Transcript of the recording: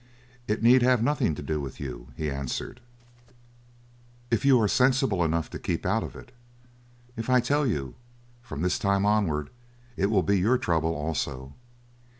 "It need have nothing to do with you," he answered, "if you are sensible enough to keep out of it. If I tell you: from this time onward it will be your trouble also.